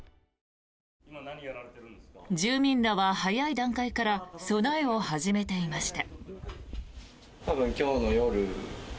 住民らは、早い段階から備えを始めていました。